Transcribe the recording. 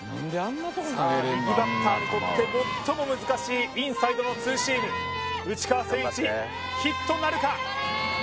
右バッターにとって最も難しいインサイドのツーシーム内川聖一ヒットなるか？